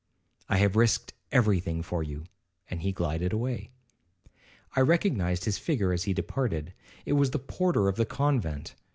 I have risked every thing for you,' and he glided away. I recognized his figure as he departed; it was the porter of the convent.